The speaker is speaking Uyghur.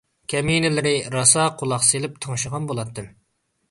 كەمىنىلىرى راسا قۇلاق سېلىپ تىڭشىغان بولاتتىم.